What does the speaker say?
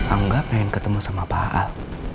angga main ketemu sama pak al